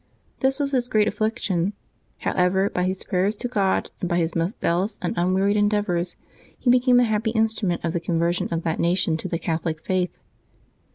This was his great affliction; however, by his praj'ers to God, and by his most zealous and unwearied endeavors, he became the happy instrimient of the conversion of that nation to the Catholic faith.